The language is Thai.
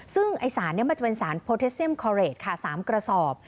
ซึ่งไอ้สารเนี่ยมันจะเป็นสารค่ะสามกระสอบ